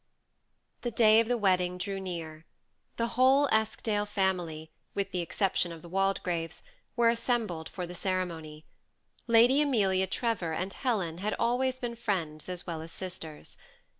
The day of the wedding drew near. The whole Eskdale family, with the exception of the Waldegraves, were assembled for the ceremony. Lady Amelia Tre vor and Helen had always been friends as well as sis ters.